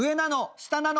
下なの？